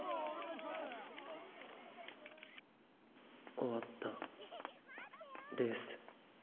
終わったレース。